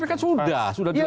tapi kan sudah sudah dilakukan